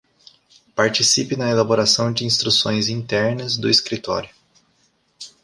Participe na elaboração de instruções internas do Escritório.